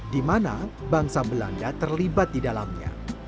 di mana bangsa belanda terlibat di dalamnya